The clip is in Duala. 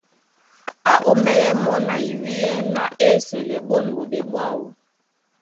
Á ómɛ́lɛ́ mɔ́ na iwíyɛ́ ná á esɛlɛ ɓôn ɓoɓé ɓwáō.